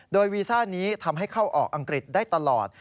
โดยวีซ่านี้ทำให้เข้าออกอังกฤษได้ตลอด